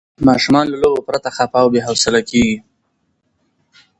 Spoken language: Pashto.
ماشومان له لوبو پرته خفه او بې حوصله کېږي.